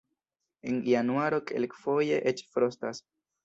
En januaro kelkfoje eĉ frostas.